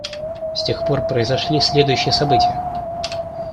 С тех пор произошли следующие события.